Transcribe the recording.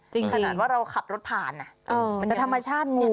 จริงขนาดว่าเราขับรถพาลน่ะอ่อเหมือนธรรมชาติงู้